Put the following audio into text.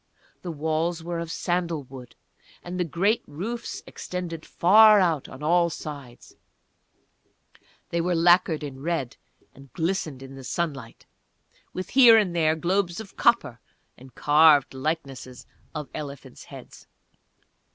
The walls were of sandal wood, and the great roofs extended far out on all sides; they were lacquered in red and glistened in the sunlight, with here and there globes of copper, and carved likenesses of elephants' heads.